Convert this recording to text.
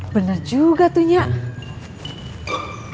bener juga tuh nyak